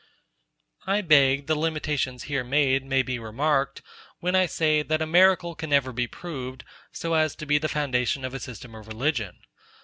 99. I beg the limitations here made may be remarked, when I say, that a miracle can never be proved, so as to be the foundation of a system of religion.